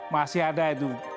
masih ada itu